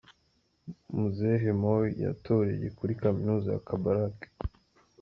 Muzehe Moi yatoreye kuri kaminuza ya Kabarak.